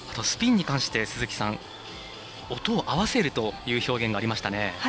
スピンに関して音を合わせるという表現がありましたね。